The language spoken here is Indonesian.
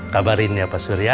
kabarin ya pak surya